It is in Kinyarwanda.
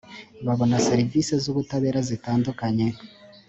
babona serivisi z ‘ubutabera zitandukanye